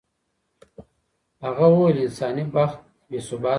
هغه وویل انساني بخت بې ثباته دی.